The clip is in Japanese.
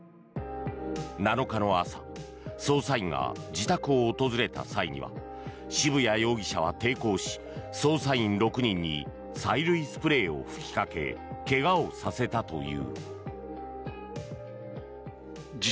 ７日の朝捜査員が自宅を訪れた際には渋谷容疑者は抵抗し捜査員６人に催涙スプレーを吹きかけ怪我をさせたという。